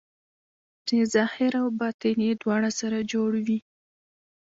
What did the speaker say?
چې ظاهر او باطن یې دواړه سره جوړ وي.